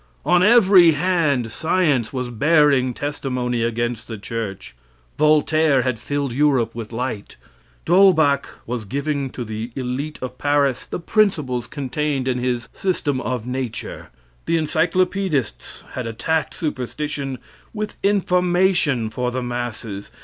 On every hand science was bearing testimony against the church. Voltaire had filled Europe with light. D'Holbach was giving to the elite of Paris the principles contained in his "System of Nature." The encyclopaedists had attacked superstition with information for the masses.